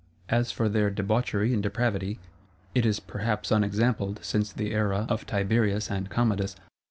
As for their debauchery and depravity, it is perhaps unexampled since the era of Tiberius and Commodus.